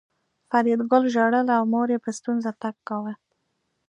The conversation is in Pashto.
فریدګل ژړل او مور یې په ستونزه تګ کاوه